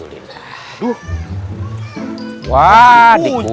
waalaikumsalam warahmatullahi wabarakatuh